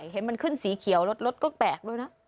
เห็นมันขึ้นสีเขียวรถก็แปลกด้วยนะ